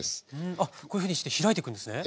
あっこういうふうにして開いていくんですね？